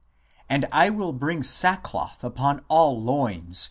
and I will bring sackcloth upon all loins